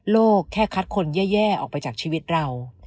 แค่คัดคนแย่ออกไปจากชีวิตเรา